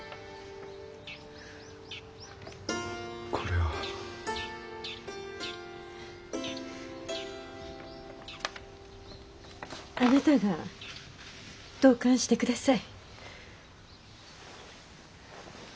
これは。あなたが投函して下さい。